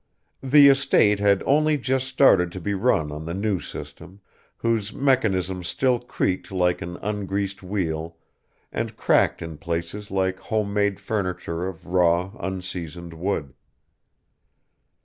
The estate had only just started to be run on the new system, whose mechanism still creaked like an ungreased wheel and cracked in places like homemade furniture of raw, unseasoned wood.